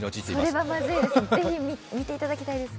それはまずいですね。